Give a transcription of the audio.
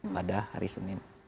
pada hari senin